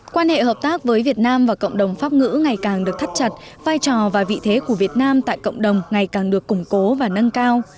quan hệ hợp tác với việt nam và cộng đồng pháp ngữ ngày càng được thắt chặt vai trò và vị thế của việt nam tại cộng đồng ngày càng được củng cố và nâng cao